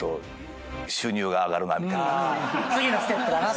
次のステップだなと。